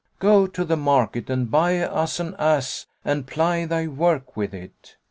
Go to the market and buy us an ass and ply thy work with it."